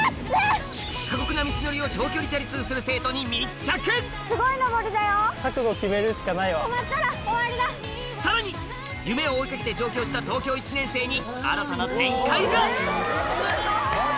過酷な道のりを長距離チャリ通する生徒に密着さらに夢を追い掛けて上京した東京１年生に新たな展開が！